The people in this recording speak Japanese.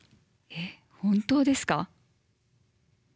えっ本当ですか？